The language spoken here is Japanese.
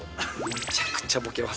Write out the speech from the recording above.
めちゃくちゃボケます。